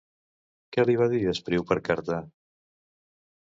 Què li va dir Espriu per carta?